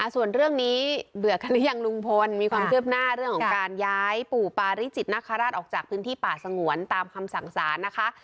ส่วนเรื่องนี้เบื่อกันหรือยังลุงพลมีความคืบหน้าเรื่องของการย้ายปู่ปาริจิตนคราชออกจากพื้นที่ป่าสงวนตามคำสั่งสารนะคะ